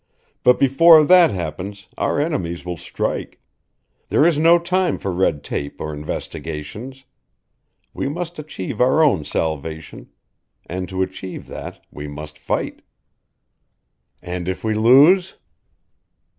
But before that happens our enemies will strike. There is no time for red tape or investigations. We must achieve our own salvation. And to achieve that we must fight." "And if we lose?"